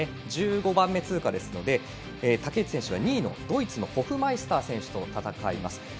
１５番目通過ですので竹内選手は２位のドイツのホフマイスター選手と戦います。